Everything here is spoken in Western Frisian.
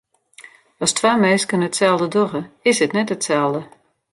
As twa minsken itselde dogge, is it net itselde.